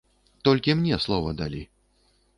Толькі мне слова далі.